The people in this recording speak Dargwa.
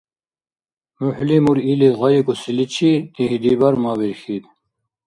МухӀли мурили гъайикӀусиличи игьдибар мабирхьид.